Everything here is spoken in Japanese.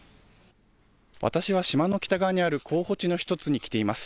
私は島の北側にある候補地の１つに来ています。